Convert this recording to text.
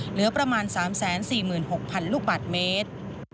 เหลือประมาณ๓๔๖๐๐๐ลบน